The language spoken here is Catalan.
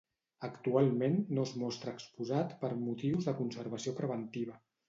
Actualment no es mostra exposat per motius de conservació preventiva.